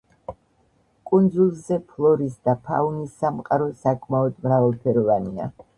კუნძულზე ფლორის და ფაუნის სამყარო საკმაოდ მრავალფეროვანია.